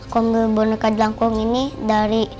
kunggu boneka jelangkung ini dari